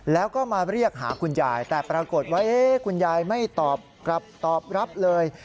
แล้วก็มาเรียกหาคุณยายแต่ปรากฏว่าคุณยายไม่ตอบกลับตอบรับเลย